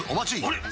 あれ！